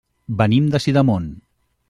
Venim de Sidamon.